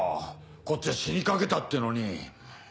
こっちは死にかけたっていうのに。